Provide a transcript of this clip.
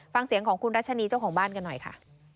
ฟังเสียงของคุณรัชนีเจ้าของบ้านกันหน่อยค่ะ